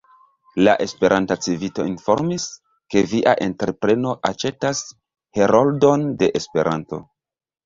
La Esperanta Civito informis, ke via entrepreno aĉetas Heroldon de Esperanto.